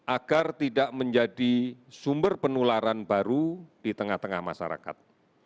agar tidak menjadi sumber penularan baru di tengah tengah masyarakat